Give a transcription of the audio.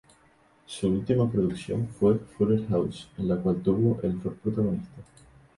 Su última producción fue Fuller House, en la cual tuvo el rol protagonista.